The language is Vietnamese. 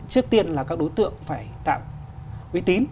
trước tiên là các đối tượng phải tạo uy tín